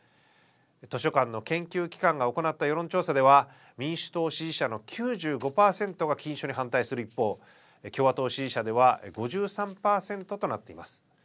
図書館の研究機関が行った世論調査では民主党支持者の９５％が禁書に反対する一方共和党支持者では５３％となっています。